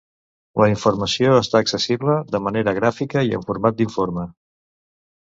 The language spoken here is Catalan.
La informació està accessible de manera gràfica i en format d'informe.